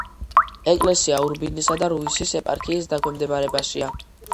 ეკლესია ურბნისისა და რუისის ეპარქიის დაქვემდებარებაშია.